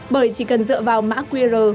bởi chỉ cần dựa vào mã qr